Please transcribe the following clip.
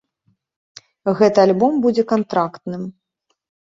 Гэты альбом будзе кантрактным.